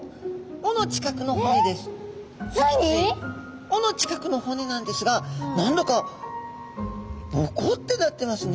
尾の近くの骨なんですが何だかボコッてなってますね。